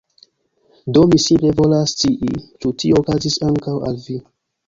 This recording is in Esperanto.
Do mi simple volas scii ĉu tio okazis ankaŭ al vi.